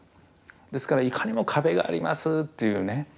ですからいかにも「壁があります」っていうね